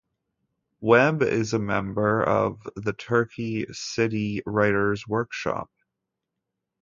Webb is a member of the Turkey City Writer's Workshop.